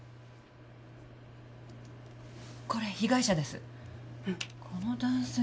これ被害者です。